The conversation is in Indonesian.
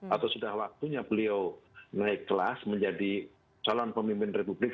atau sudah waktunya beliau naik kelas menjadi calon pemimpin republik